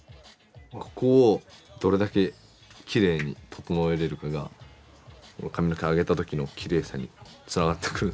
ここをどれだけきれいに整えれるかが髪の毛上げた時のきれいさにつながってくるんすよ。